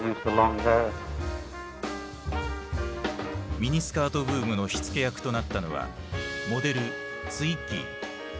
ミニスカートブームの火付け役となったのはモデルツイッギー。